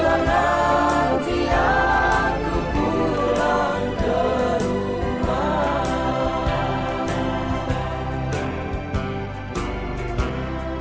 selamat siang aku pulang ke rumah